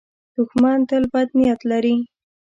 دښمن تل بد نیت لري